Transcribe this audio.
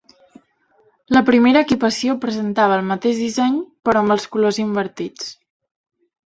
La primera equipació presentava el mateix disseny, però amb els colors invertits.